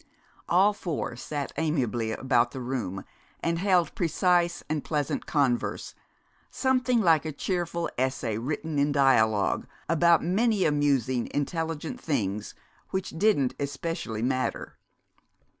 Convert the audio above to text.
All four sat amiably about the room and held precise and pleasant converse, something like a cheerful essay written in dialogue, about many amusing, intelligent things which didn't especially matter.